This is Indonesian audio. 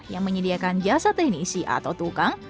yang menyediakan jasa teknisi atau tukang